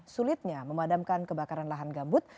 sulitnya memadamkan kebakaran lahan gambut